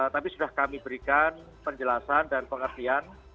tapi sudah kami berikan penjelasan dan pengertian